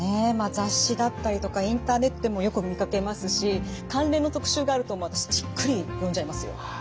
雑誌だったりとかインターネットでもよく見かけますし関連の特集があるともう私じっくり読んじゃいますよ。